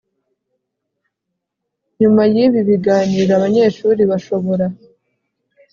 Nyuma y ibi biganiro abanyeshuri bashobora